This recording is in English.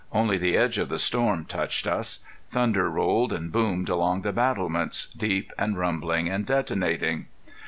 Only the edge of the storm touched us. Thunder rolled and boomed along the battlements, deep and rumbling and detonating.